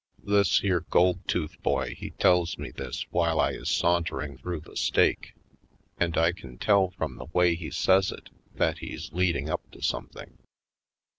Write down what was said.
This here gold tooth boy he tells me this while I is sauntering through the steak. And I can tell from the way he says it that he's leading up to something.